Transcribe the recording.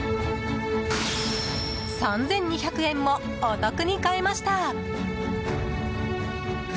３２００円もお得に買えました。